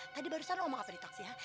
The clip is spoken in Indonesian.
tadi lo baru omong apa di taksi ya